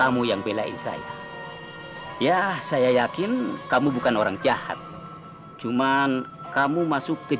aku langsung mengalami kesukaran larger largiautitasmu